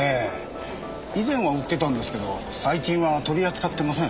以前は売ってたんですけど最近は取り扱ってません。